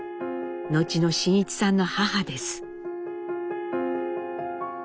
後の真一さんの母です。